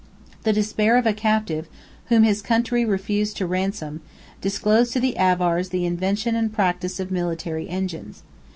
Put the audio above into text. The despair of a captive, whom his country refused to ransom, disclosed to the Avars the invention and practice of military engines.